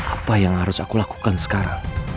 apa yang harus aku lakukan sekarang